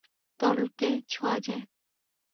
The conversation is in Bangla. তরলকে ছোঁয়া যায়।